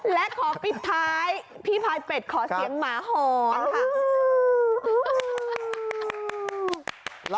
และขอปิดท้ายพี่พายเป็ดขอเสียงหมาหอนค่ะ